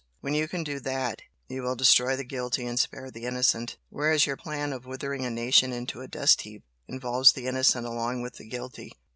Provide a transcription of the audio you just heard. When you can do THAT, you will destroy the guilty and spare the innocent, whereas your plan of withering a nation into a dust heap involves the innocent along with the guilty."